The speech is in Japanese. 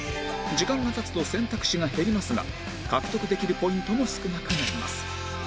時間が経つと選択肢が減りますが獲得できるポイントも少なくなります